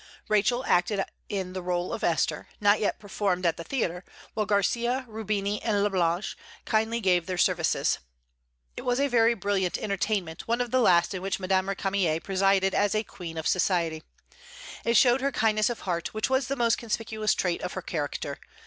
Rachel acted in the rôle of "Esther," not yet performed at the theatre, while Garcia, Rubini, and Lablache kindly gave their services. It was a very brilliant entertainment, one of the last in which Madame Récamier presided as a queen of society. It showed her kindness of heart, which was the most conspicuous trait of her character.